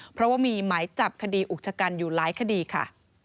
เพราะว่ามีหมายจับคดีอุกชะกันอยู่หลายคดีค่ะ